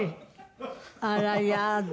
あら嫌だ！